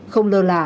không lờ là